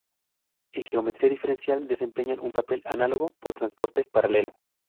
En geometría diferencial, desempeñan un papel análogo por transporte paralelo.